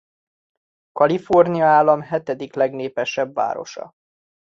Kalifornia állam hetedik legnépesebb városa.